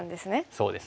そうですね。